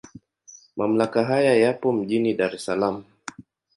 Mamlaka haya yapo mjini Dar es Salaam.